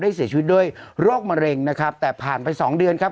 เสียชีวิตด้วยโรคมะเร็งนะครับแต่ผ่านไปสองเดือนครับ